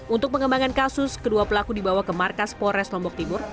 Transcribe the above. untuk pengembangan kasus kedua pelaku dibawa ke markas polres lombok timur